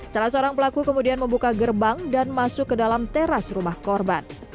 salah seorang pelaku kemudian membuka gerbang dan masuk ke dalam teras rumah korban